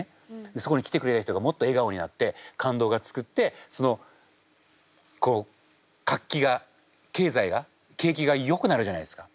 そこに来てくれる人がもっと笑顔になって感動が作ってそのこう活気が経済が景気がよくなるじゃないですか。